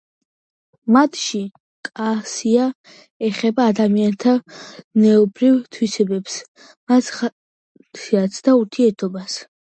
მათში კასია ეხება ადამიანთა ზნეობრივ თვისებებს მათ ხასიათსა და ურთიერთობას.